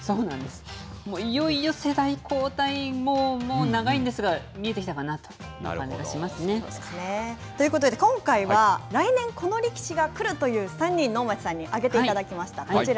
いよいよ世代交代も長いんですが、見えてきたかなという感じがしますね。ということで今回は、来年、この力士がくるという３人を能町さんに挙げていただきました。